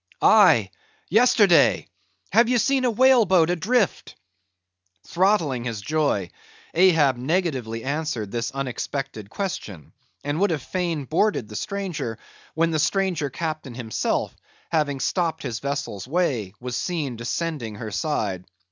"Aye, yesterday. Have ye seen a whale boat adrift?" Throttling his joy, Ahab negatively answered this unexpected question; and would then have fain boarded the stranger, when the stranger captain himself, having stopped his vessel's way, was seen descending her side.